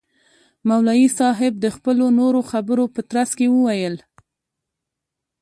مولوی صاحب د خپلو نورو خبرو په ترڅ کي وویل.